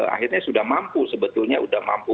akhirnya sudah mampu sebetulnya sudah mampu